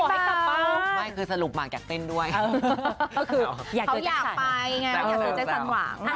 ก็คือเขาอยากไปไงอยากเจอแจ้งสันหวัง